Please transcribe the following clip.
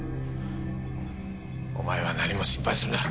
お前は何も心配するな。